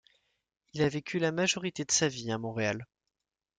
Il a vécu la majorité de sa vie à Montréal.